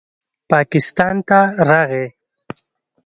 پاکستان ته راغے